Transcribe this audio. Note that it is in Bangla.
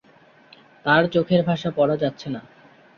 তার চোখের ভাষা পড়া যাচ্ছে না।